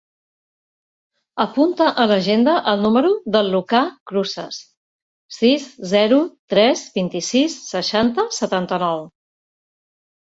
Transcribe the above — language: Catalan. Apunta a l'agenda el número del Lucà Cruces: sis, zero, tres, vint-i-sis, seixanta, setanta-nou.